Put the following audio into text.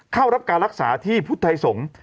เข้ารับการรักษาที่พุทธไทยสงฆ์